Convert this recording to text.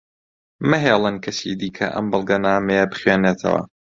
مەهێڵن کەسی دیکە ئەم بەڵگەنامەیە بخوێنێتەوە.